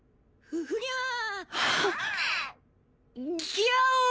ギャオー。